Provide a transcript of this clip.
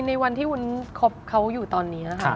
ในวันที่วุ้นคบเขาอยู่ตอนนี้ค่ะ